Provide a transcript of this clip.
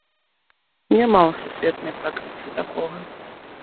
Няма ў сусветнай практыцы такога!